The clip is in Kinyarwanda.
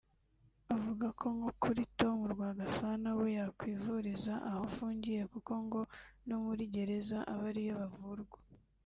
Avuga ko nko kuri Tom Rwagasana we yakwivuriza aho afungiye kuko ngo no muri gereza abariyo bavurwa